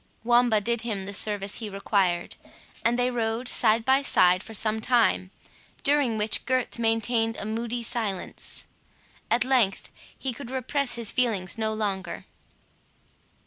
Wamba did him the service he required, and they rode side by side for some time, during which Gurth maintained a moody silence. At length he could repress his feelings no longer.